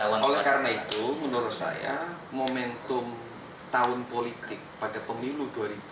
oleh karena itu menurut saya momentum tahun politik pada pemilu dua ribu dua puluh